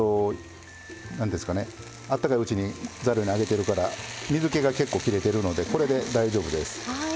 あったかいうちにざるに上げてるから水けが結構きれてるのでこれで大丈夫です。